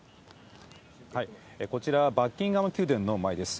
こちら、バッキンガム宮殿の前です。